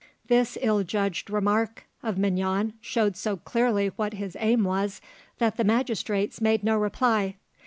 This ill judged remark of Mignon showed so clearly what his aim was that the magistrates made no reply.